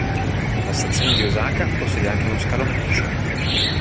La stazione di Ōsaka possiede anche uno scalo merci.